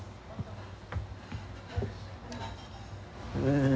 うん。